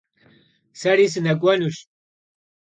Seri sınek'uenuş.